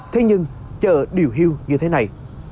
thế nhưng chợ điều hiu như thế này